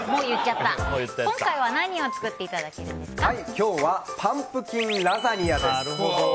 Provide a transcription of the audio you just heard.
今回は何を今日はパンプキンラザニアです。